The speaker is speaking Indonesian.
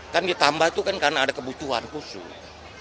kan ditambah itu kan karena ada kebutuhan khusus